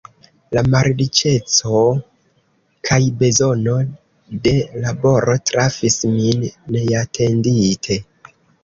La malriĉeco kaj bezono de laboro trafis min neatendite.